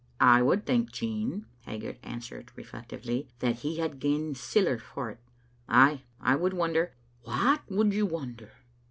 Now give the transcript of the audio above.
"I would think, Jean," Haggart answered, reflec tively, "that he had gien siller for't; ay, I would wonder "" What would you wonder?"